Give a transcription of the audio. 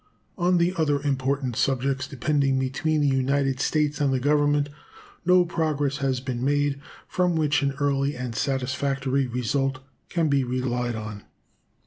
On the other important subjects depending between the United States and the Government no progress has been made from which an early and satisfactory result can be relied on.